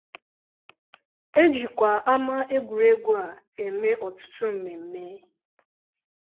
Ejikwa ama egwuregwu a eme ọtụtụ mmeme.